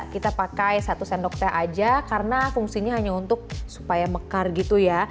kita pakai satu sendok teh aja karena fungsinya hanya untuk supaya mekar gitu ya